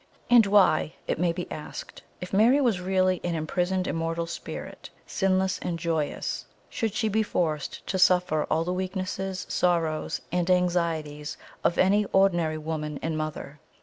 And why, it may be asked, if Mary was really an imprisoned immortal Spirit, sinless and joyous, should she be forced to suffer all the weaknesses, sorrows, and anxieties of any ordinary woman and mother?